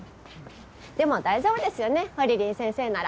でも大丈夫ですよねほりりん先生なら。